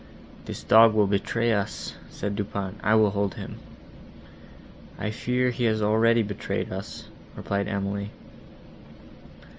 "This dog will betray us!" said Du Pont, "I will hold him." "I fear he has already betrayed us!" replied Emily.